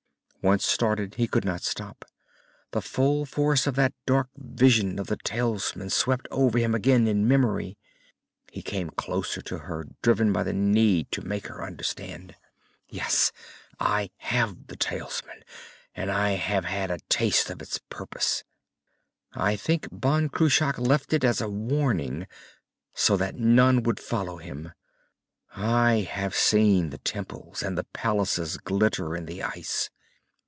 Once started, he could not stop. The full force of that dark vision of the talisman swept over him again in memory. He came closer to her, driven by the need to make her understand. "Yes, I have the talisman! And I have had a taste of its purpose. I think Ban Cruach left it as a warning, so that none would follow him. I have seen the temples and the palaces glitter in the ice.